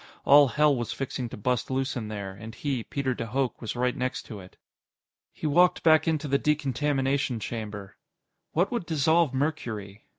All hell was fixing to bust loose in there, and he, Peter de Hooch, was right next to it. He walked back into the decontamination chamber. What would dissolve mercury?